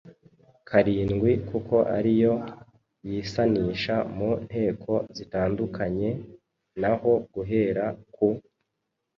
karindwi kuko ari yo yisanisha mu nteko zitandukanye. Naho guhera ku